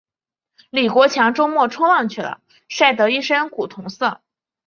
李国强周末冲浪去了，晒得一身古铜色。